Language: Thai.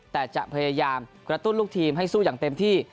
แต่จะพยายามกระตุ้นลูกทีมให้สู้อย่างเต็มที่